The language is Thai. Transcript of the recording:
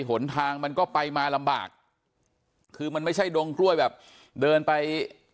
หนทางมันก็ไปมาลำบากคือมันไม่ใช่ดงกล้วยแบบเดินไป